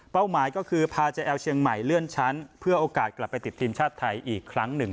หมายก็คือพาเจ้าแอลเชียงใหม่เลื่อนชั้นเพื่อโอกาสกลับไปติดทีมชาติไทยอีกครั้งหนึ่ง